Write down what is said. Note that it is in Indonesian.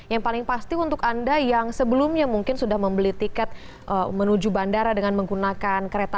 yang paling pasti untuk anda yang sebelumnya mungkin sudah membeli tiket menuju bandara dengan menggunakan kereta